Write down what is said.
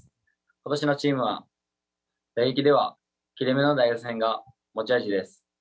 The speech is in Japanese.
今年のチームは打撃では切れ目のない打線が持ち味です。